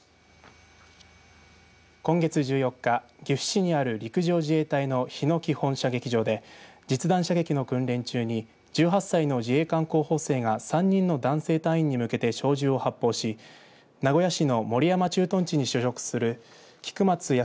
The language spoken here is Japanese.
今月１４日岐阜市にある陸上自衛隊の日野基本射撃場で実弾射撃の訓練中に１８歳の自衛官候補生が３人の男性隊員に向けて小銃を発砲し名古屋市の守山駐屯地に所属する菊松安